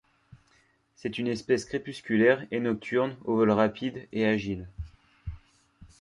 C'est une espèce crépusculaire et nocturne au vol rapide et agile.